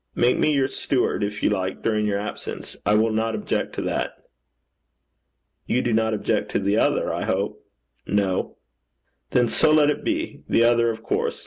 Make me your steward, if you like, during your absence: I will not object to that.' 'You do not object to the other, I hope?' 'No.' 'Then so let it be. The other, of course.